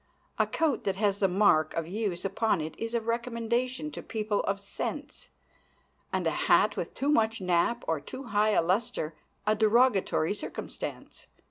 A coat that has the mark of use upon it is a recommendation to people of sense, and a hat with too much nap and too high a luster a derogatory circumstance.